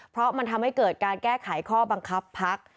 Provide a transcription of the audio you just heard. เพราะมันทำให้เกิดการแก้ไขข้อบังคับพัก